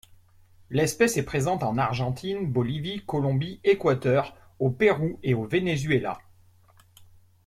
L'espèce est présente en Argentine, Bolivie, Colombie, Équateur, au Pérou et au Venezuela.